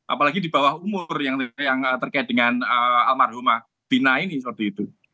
apalagi di bawah umur yang terkait dengan almarhumah bina ini seperti itu